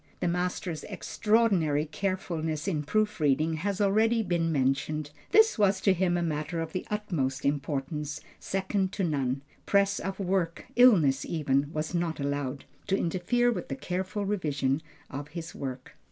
The master's extraordinary carefulness in proof reading has already been mentioned. This was to him a matter of the utmost importance, second to none. Press of work, illness even, was not allowed to interfere with the careful revision of his work.